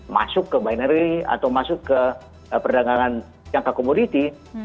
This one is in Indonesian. masuk ke binary atau masuk ke perdagangan jangka komoditi